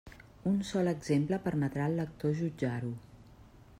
Un sol exemple permetrà al lector jutjar-ho.